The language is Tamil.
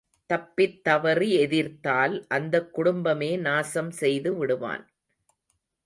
தப்பித் தவறி எதிர்த்தால் அந்தக்குடும்பமே நாசம் செய்து விடுவான்.